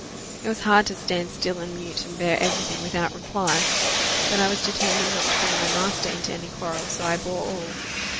It was hard to stand still and mute, and bear every thing, without reply. But I was determined not to bring my master into any quarrel, so I bore all.